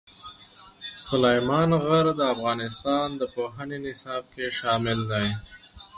سلیمان غر د افغانستان د پوهنې نصاب کې شامل دي.